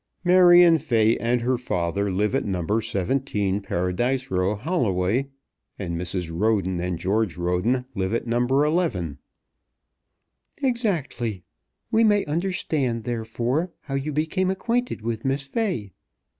"Marion Fay and her father live at No. 17, Paradise Row, Holloway; and Mrs. Roden and George Roden live at No. 11." "Exactly. We may understand, therefore, how you became acquainted with Miss Fay."